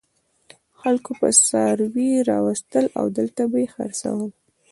خلکو به څاروي راوستل او دلته به یې خرڅول.